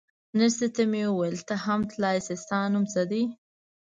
نرسې ته مې وویل: ته هم تلای شې، ستا نوم څه دی؟